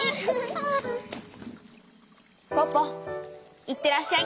ポポいってらっしゃい！